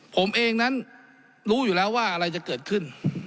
ผมเองนั้นรู้อยู่แล้วว่าอะไรจะเกิดขึ้น